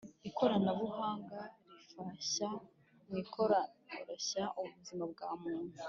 Ikoranabuhanga rifashya mu koroshya ubuzima bw’ amuntu